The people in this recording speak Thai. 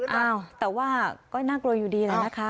อ้าวแต่ว่าก็น่ากลัวอยู่ดีแล้วนะคะ